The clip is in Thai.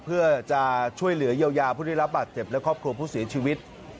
เพื่อจะช่วยเหลือเยียวยาผู้ได้รับบาดเจ็บและครอบครัวผู้เสียชีวิต